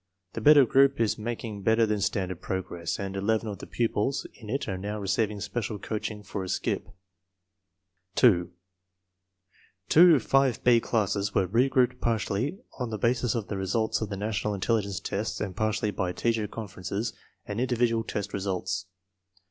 The better group is making better than standard progress, and 11 of the pupils in it are now receiving special coaching for a "skip." % fc* 2. Two 5 B classes were re grouped partly on the basis of the results of the National Intelligence Tests and partly by teacher conferences and individual test results.